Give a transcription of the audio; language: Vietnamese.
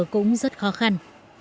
cũng rất khó khăn